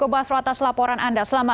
baik terima kasih